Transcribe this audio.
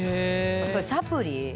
サプリ。